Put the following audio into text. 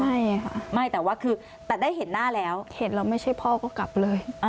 ไม่ค่ะไม่แต่ว่าคือแต่ได้เห็นหน้าแล้วเห็นแล้วไม่ใช่พ่อก็กลับเลย